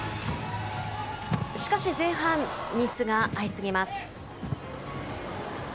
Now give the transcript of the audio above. しかし前半、ミスが相次ぎます。